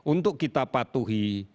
untuk kita patuhi